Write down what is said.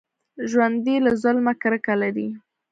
ژوندي له ظلمه کرکه لري